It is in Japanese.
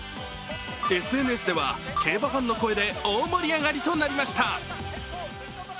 ＳＮＳでは競馬ファンの声で大盛り上がりとなりました。